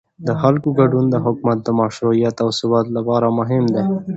د خلکو ګډون د حکومت د مشروعیت او ثبات لپاره مهم دی